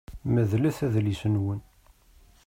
Medlet adlis-nwen.